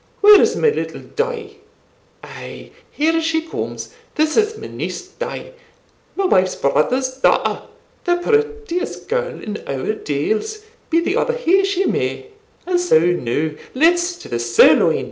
Where's my little Die? ay, here she comes this is my niece Die, my wife's brother's daughter the prettiest girl in our dales, be the other who she may and so now let's to the sirloin."